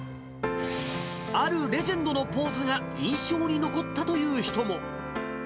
あるレジェンドのポーズが印象に残ったという人も。